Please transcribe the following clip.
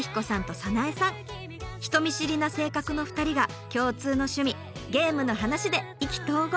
人見知りな性格の２人が共通の趣味ゲームの話で意気投合！